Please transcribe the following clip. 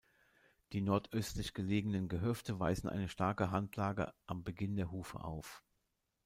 Die nordöstlich gelegenen Gehöfte weisen eine starke Hanglage am Beginn der Hufe auf.